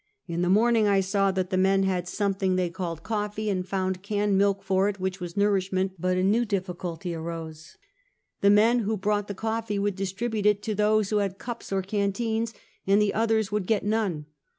In the morning I saw that the men had something The Old Theatek. 313 they called coffee, and found canned milk for it, which was nourishment; but a new difficulty arose. The men who brought the coffee would distribute it to those who had cups or canteens, and the others would get none.